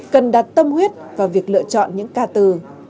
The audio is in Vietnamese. cần đặt tâm huyết vào việc lựa chọn những ca từ